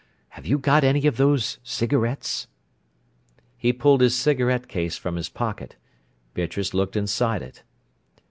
Have you got any of those cigarettes?" He pulled his cigarette case from his pocket. Beatrice looked inside it.